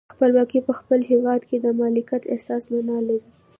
خپلواکي په خپل هیواد کې د مالکیت احساس معنا لري.